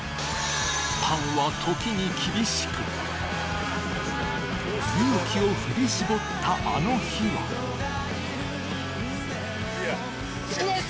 パンは時に厳しく勇気をふり絞ったあの日は好きです！